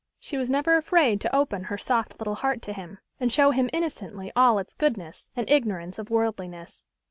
She was never afraid to open her soft little heart to him, and show him innocently all its goodness, and ignorance of worldliness.